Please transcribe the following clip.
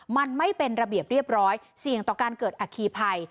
มันไม่เป็นระเบียบเรียบร้อยเสี่ยงต่อการเกิดอัคคีภัย